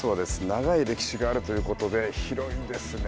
長い歴史があるということで広いですね。